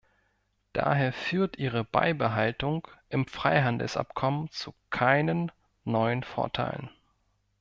Daher führt ihre Beibehaltung im Freihandelsabkommen zu keinen neuen Vorteilen.